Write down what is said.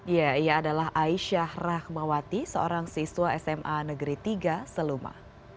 ya ia adalah aisyah rahmawati seorang siswa sma negeri tiga seluma